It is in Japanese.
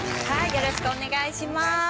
よろしくお願いします。